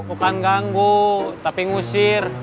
bukan ganggu tapi ngusir